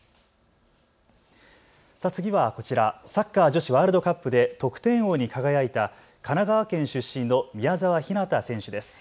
次はこちら、サッカー女子ワールドカップで得点王に輝いた神奈川県出身の宮澤ひなた選手です。